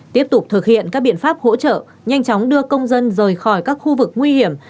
tiếp tục thực hiện các biện pháp hỗ trợ nhanh chóng đưa công dân rời khỏi các khu vực nguy hiểm